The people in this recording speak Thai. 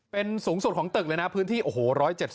เป็นสูงสูตรของตึกเลนาะพื้นที่โอโห